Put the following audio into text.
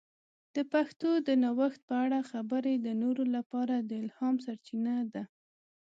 د پښتو د نوښت په اړه خبرې د نورو لپاره د الهام سرچینه ده.